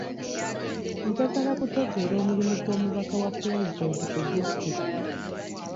Njagala kutegeera omulimu gw'omubaka wa pulezidenti mu disitulikiti.